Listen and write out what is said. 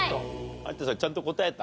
有田さんちゃんと答えた？